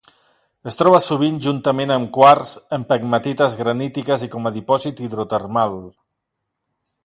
Es troba sovint juntament amb quars, en pegmatites granítiques i com a dipòsit hidrotermal.